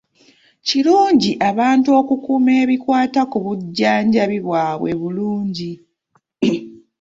Kirungi abantu okukuuma ebikwata ku bujjanjabi bwabwe bulungi.